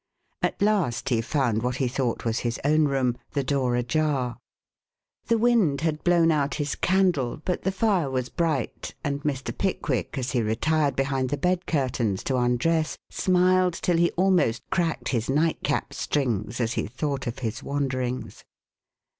At last he found what he thought was his own room, the door ajar. The wind had blown out his candle, but the fire was bright, and Mr. Pickwick, as he retired behind the bed curtains to undress, smiled till he almost cracked his nightcap strings as he thought of his wanderings.